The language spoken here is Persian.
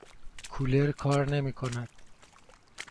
کولر کار نمی کند.